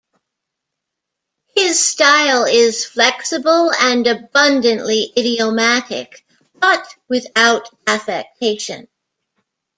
His style is flexible and abundantly idiomatic, but without affectation.